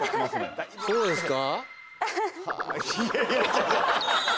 そうですか？